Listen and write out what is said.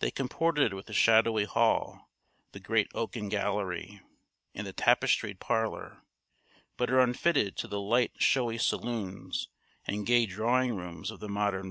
They comported with the shadowy hall, the great oaken gallery, and the tapestried parlour, but are unfitted to the light showy saloons and gay drawing rooms of the modern villa.